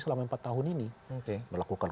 selama empat tahun ini melakukan